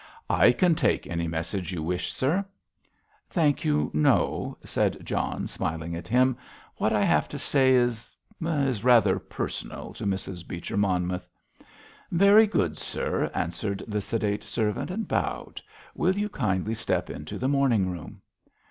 "I can take any message you wish, sir." "Thank you, no," said John, smiling at him; "what I have to say is—is rather personal to Mrs. Beecher Monmouth." "Very good, sir," answered the sedate servant, and bowed. "Will you kindly step into the morning room."